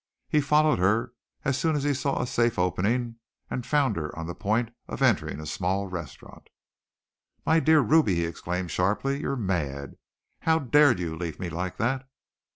He followed her as soon as he saw a safe opening, and found her on the point of entering a small restaurant. "My dear Ruby," he exclaimed sharply, "you are mad! How dared you leave me like that?"